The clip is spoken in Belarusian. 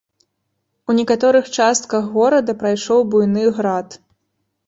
У некаторых частках горада прайшоў буйны град.